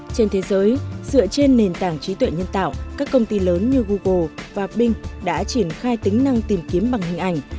trên thế giới dựa trên nền tảng trí tuệ nhân tạo các công ty lớn như google và bing đã triển khai tính năng tìm kiếm bằng hình ảnh